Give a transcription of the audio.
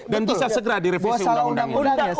dan bisa segera direvisi undang undangnya